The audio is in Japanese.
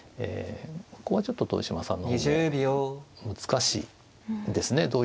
ここはちょっと豊島さんの方も難しいですね。